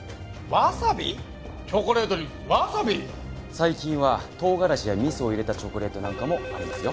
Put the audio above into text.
最近は唐辛子や味噌を入れたチョコレートなんかもありますよ。